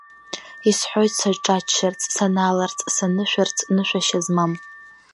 Исыҳәоит саҿаччарц, санааларц, санышәарц нышәашьа змам.